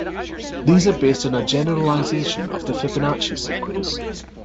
These are based on a generalisation of the Fibonacci sequence.